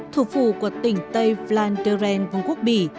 thủ phủ của tỉnh tây vlaanderen vùng quốc bỉ